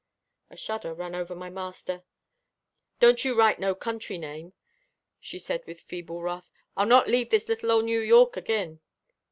A shudder ran over my master. "Don't you write no country name," she said with feeble wrath. "I'll not leave this little old New York agin."